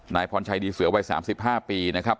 นายพรชัยดีเสือวัย๓๕ปีนะครับ